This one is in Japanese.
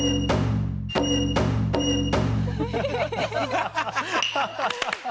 ハハハハハ。